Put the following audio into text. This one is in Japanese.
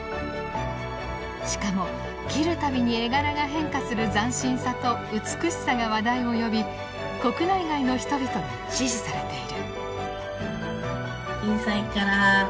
しかも切る度に絵柄が変化する斬新さと美しさが話題を呼び国内外の人々に支持されている。